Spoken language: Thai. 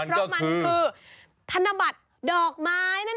เพราะมันคือธนบัตรดอกไม้นั่นเอง